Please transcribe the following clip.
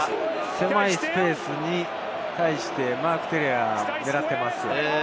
狭いスペースに対してマーク・テレアが狙っていますよ。